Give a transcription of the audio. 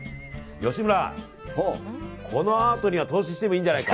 吉村、このアートには投資してもいいんじゃないか？